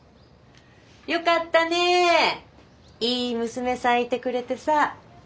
よかったねいい娘さんいてくれてさ。